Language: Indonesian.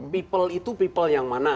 people itu people yang mana